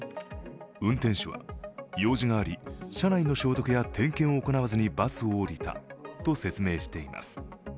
運転手は、用事があり、車内の消毒や点検を行わずにバスを降りたと説明しています。